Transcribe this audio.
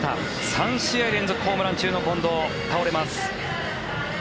３試合連続ホームラン中の近藤倒れます。